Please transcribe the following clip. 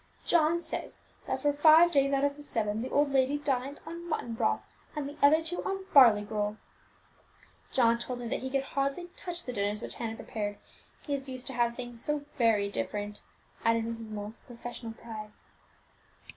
John says that for five days out of the seven the old lady dined on mutton broth, and the other two on barley gruel! John told me that he could hardly touch the dinners which Hannah prepared; he is used to have things so very different," added Mrs. Mullins with professional pride.